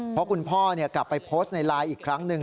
เพราะคุณพ่อกลับไปโพสต์ในไลน์อีกครั้งหนึ่ง